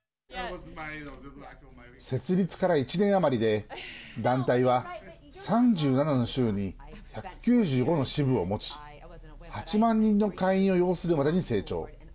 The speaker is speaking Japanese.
設立から１年余りで団体は３７の州に１９５の支部を持ち８万人の会員を擁するまでに成長。